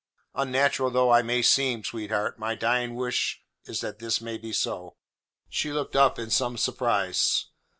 Unnatural though I may seem, sweetheart, my dying wish is that this may be so." She looked up in some surprise.